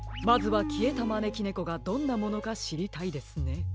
まずはきえたまねきねこがどんなものかしりたいですね。